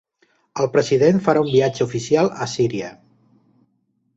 El president farà un viatge oficial a Síria.